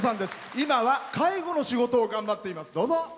今は介護の仕事を頑張っています。